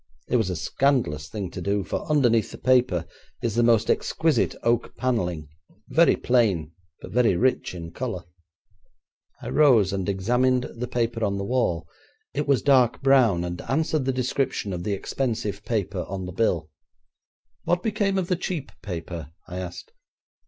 It was a scandalous thing to do, for underneath the paper is the most exquisite oak panelling, very plain, but very rich in colour.' I rose and examined the paper on the wall. It was dark brown, and answered the description of the expensive paper on the bill. 'What became of the cheap paper?' I asked.